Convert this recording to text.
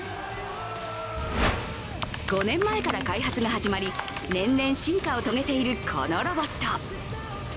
５年前から開発が始まり年々進化を遂げているこのロボット。